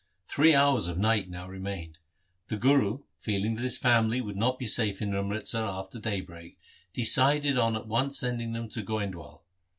Three hours of night now remained. The Guru, feeling that his family would not be safe in Amritsar after daybreak, decided on at once sending them to Goindwal.